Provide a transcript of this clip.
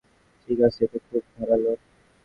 ঠিক আছে, এটা খুব ধারালো!